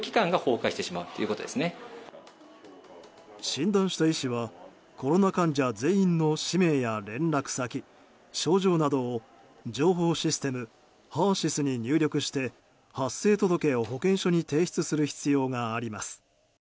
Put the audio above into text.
診断した医師はコロナ患者全員の氏名や連絡先、症状などを情報システムＨＥＲ‐ＳＹＳに入力して発生届を保健所に提出する必要があります。